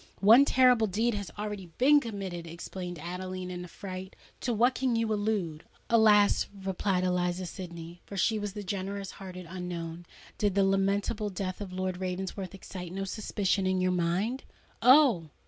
"One terrible deed has already been committed!" exclaimed Adeline, in affright: "to what can you allude!" "Alas!" replied Eliza Sydney,—for she was the generous hearted unknown,—"did the lamentable death of Lord Ravensworth excite no suspicions in your mind?" "Oh!